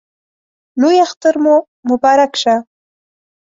لوی اختر مو مبارک شه!